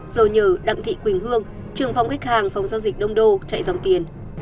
rồi nhờ đặng thị quỳnh hương trường phòng khách hàng phòng giao dịch đông đô chạy dòng tiền